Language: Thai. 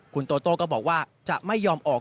คุณโตโต้ก็บอกว่าจะไม่ยอมออก